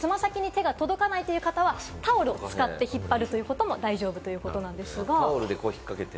体が硬くて爪先に手が届かないという方はタオルを使って引っ張るということも大丈夫ということです。